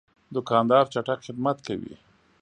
دوکاندار چټک خدمت کوي.